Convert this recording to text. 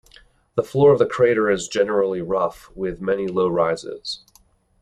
The floor of the crater is generally rough with many low rises.